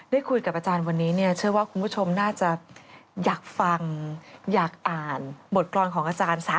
ได้คุยกับอาจารย์วันนี้เนี่ยเชื่อว่าคุณผู้ชมน่าจะอยากฟังอยากอ่านบทกรอนของอาจารย์ซะ